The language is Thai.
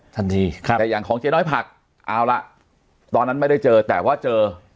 ทันทีครับแต่อย่างของเจ๊น้อยผักเอาละตอนนั้นไม่ได้เจอแต่ว่าเจอ